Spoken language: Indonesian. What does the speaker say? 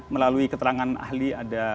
melalui keterangan ahli